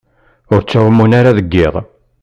Ur ttɛumun ara deg iḍ.